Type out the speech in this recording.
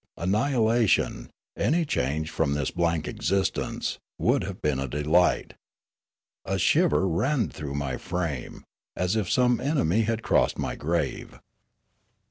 Annihilation — any change from this blank existence — would have been a delight. A shiver ran through my frame, as if some enemy had crossed my grave.